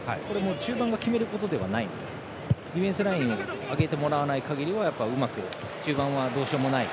中盤が決めることではなくディフェンスラインを上げてもらわないことにはうまく中盤はどうしようもない。